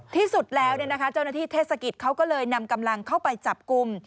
ที่สุดแล้วเจ้าหน้าที่เทศกิจเขาก็เลยนำกำลังเข้าไปจับกลุ่ม